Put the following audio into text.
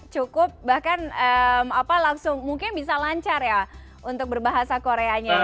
cukup bahkan apa langsung mungkin bisa lancar ya untuk berbahasa koreanya ya